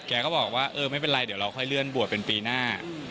แกก็บอกว่าเออไม่เป็นไรเดี๋ยวเราค่อยเลื่อนบวชเป็นปีหน้า